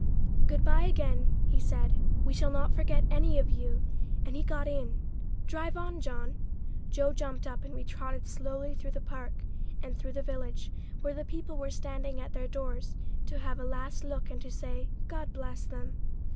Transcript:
"Good bye, again," he said; "we shall not forget any of you," and he got in. "Drive on, John." Joe jumped up and we trotted slowly through the park and through the village, where the people were standing at their doors to have a last look and to say, "God bless them."